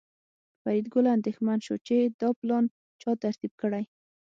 فریدګل اندېښمن شو چې دا پلان چا ترتیب کړی